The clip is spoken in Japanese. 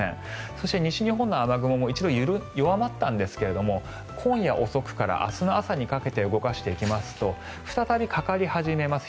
そして西日本の雨雲も一度弱まったんですが今夜遅くから明日の朝にかけて動かしていきますと再びかかり始めます。